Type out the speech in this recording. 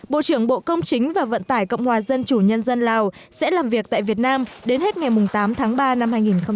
bộ trưởng bộ công chính và vận tải cộng hòa dân chủ nhân dân lào sẽ làm việc tại việt nam đến hết ngày tám tháng ba năm hai nghìn hai mươi